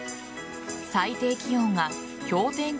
最低気温が氷点下